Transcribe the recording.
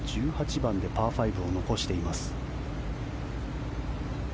１８番でパー５を残しています。